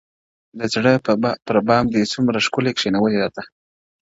• د زړه پر بام دي څومره ښكلي كښېـنولي راته ـ